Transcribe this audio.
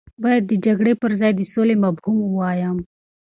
باید د جګړې پر ځای د سولې مفهوم ووایم.